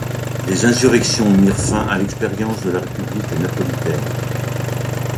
Les insurrections mirent fin à l'expérience de la République napolitaine.